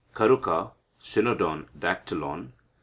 Karuka (Cynodon Dactylon).